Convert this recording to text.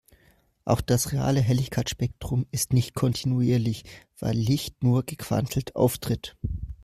Auch das reale Helligkeitsspektrum ist nicht kontinuierlich, weil Licht nur gequantelt auftritt.